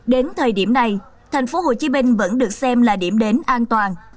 đến thời điểm này tp hcm vẫn được xem là điểm đến an toàn